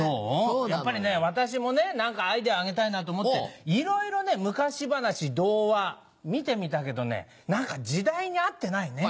やっぱり私もね何かアイデアあげたいなと思っていろいろ昔話童話見てみたけどね何か時代に合ってないね。